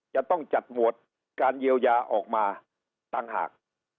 จะต้องจัดหมวดการเยียวยาออกมาต่างหาก